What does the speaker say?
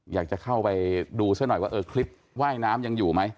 อยากจะเข้าไปดูซะหน่อยว่าเออคลิปว่ายน้ำยังอยู่ไหม